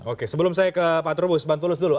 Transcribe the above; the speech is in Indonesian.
oke sebelum saya ke pak turbus bantulus dulu